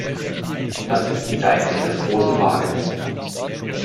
Das ist die Deichsel des Großen Wagens.